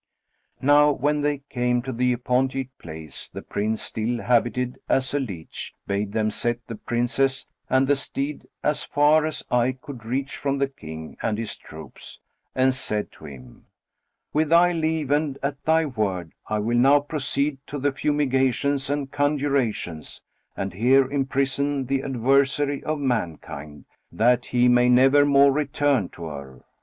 Now when they came to the appointed place, the Prince, still habited as a leach, bade them set the Princess and the steed as far as eye could reach from the King and his troops, and said to him, "With thy leave, and at thy word, I will now proceed to the fumigations and conjurations, and here imprison the adversary of mankind, that he may never more return to her.